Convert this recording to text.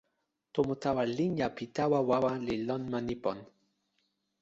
tomo tawa linja pi tawa wawa li lon ma Nipon.